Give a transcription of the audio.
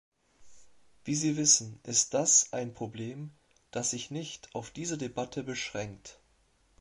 Wie Sie wissen, ist das ein Problem, das sich nicht auf diese Debatte beschränkt.